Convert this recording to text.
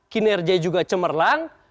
kinerja juga cemerlang